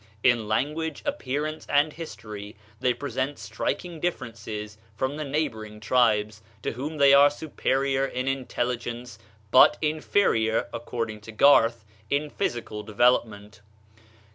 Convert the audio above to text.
In language, appearance, and history they present striking differences from the neighboring tribes, to whom they are superior in intelligence, but inferior, according to Garth, in physical development.